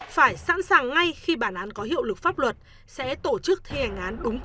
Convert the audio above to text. phải sẵn sàng ngay khi bản án